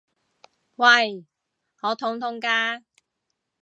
喂！我痛痛㗎！